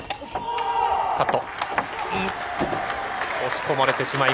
カット。